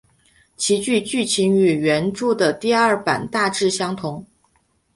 其剧剧情与原着的第二版大致相同。